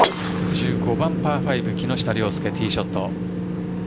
１５番パー５木下ティーショット。